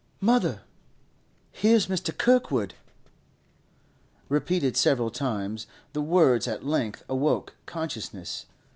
'Mother, here's Mr. Kirkwood.' Repeated several times, the words at length awoke consciousness.